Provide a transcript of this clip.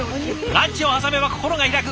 ランチを挟めば心が開く。